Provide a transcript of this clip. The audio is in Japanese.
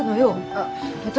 あっ私